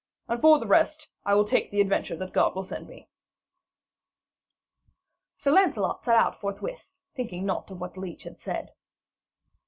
And, for the rest, I will take the adventure that God will send me.' Sir Lancelot set out forthwith, thinking naught of what the leech had said.